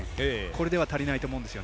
これでは足りないと思います。